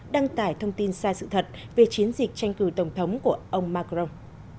đăng tải thông tin sai sự thật về chiến dịch tranh cử tổng thống của ông macron